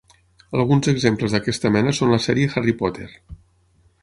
Alguns exemples d'aquesta mena són la sèrie Harry Potter.